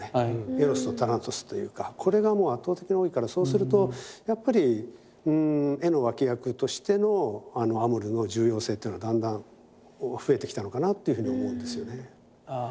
エロスとタナトスというかこれがもう圧倒的に多いからそうするとやっぱり絵の脇役としてのアモルの重要性っていうのがだんだん増えてきたのかなっていうふうに思うんですよね。